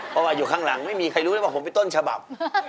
เพราะว่าอยู่ข้างหลังไม่มีใครรู้เลยว่าผมเป็นต้นฉบับ